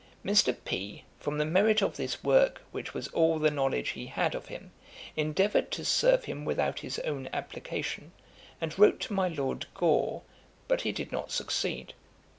Mr. P. from the Merit of this Work which was all the knowledge he had of him endeavour'd to serve him without his own application; & wrote to my Ld gore, but he did not succeed.